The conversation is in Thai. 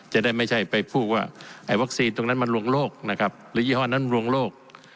จะได้ไม่ใช่ไปพูดว่าไอ้วัคซีนตรงนั้นมันลวงโลกนะครับหรือยี่ห้อนั้นลวงโลก